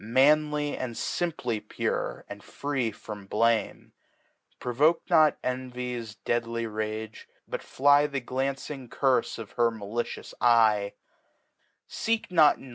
Manly and fimply purfe, and free from Blame. J*rovoke not Ehvy*s deadly Rage, but fly The glancing Curfe of her malicious Eye* Seek y Google 1 «5« ^A^ ^i^.